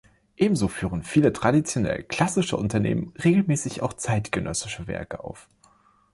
Ebenso führen viele traditionell „klassische“ Unternehmen regelmäßig auch zeitgenössische Werke auf.